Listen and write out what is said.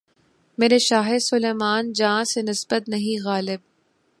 میرے شاہِ سلیماں جاہ سے نسبت نہیں‘ غالبؔ!